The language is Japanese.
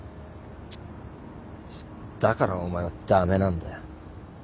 だからお前は駄目なんだよ。